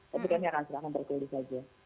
tapi kami akan serahkan berkulis saja